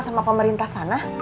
sama pemerintah sana